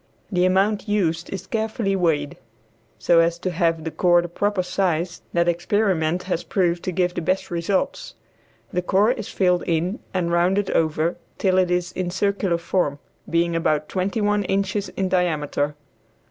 The amount used is carefully weighed, so as to have the core the proper size that experiment has proved to give the best results. The core is filled in and rounded over till it is in circular form, being about twenty one inches in diameter.